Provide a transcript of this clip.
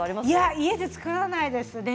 家で作らないです。